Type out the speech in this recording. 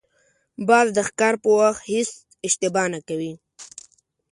باز د ښکار په وخت هېڅ اشتباه نه کوي